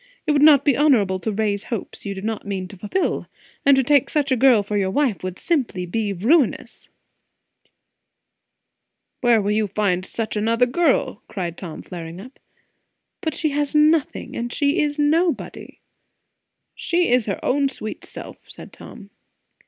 It would not be honourable to raise hopes you do not mean to fulfil; and to take such a girl for your wife, would be simply ruinous." "Where will you find such another girl?" cried Tom, flaring up. "But she has nothing, and she is nobody." "She is her own sweet self," said Tom.